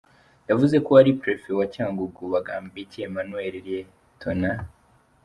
Yavuze ko uwari Perefe wa Cyangugu, Bagambiki Emmanuel, Lt.